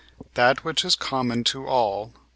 That which is common to all (cf.